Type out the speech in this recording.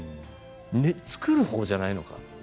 作る方ではないのかと。